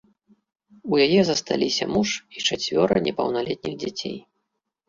У яе засталіся муж і чацвёра непаўналетніх дзяцей.